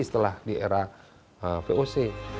setelah di era voc